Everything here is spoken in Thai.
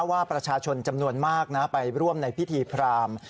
ว่าประชาชนจำนวนมากเกิดไปร่วมในปฏิพราหมณ์